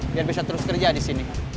biar bisa terus kerja disini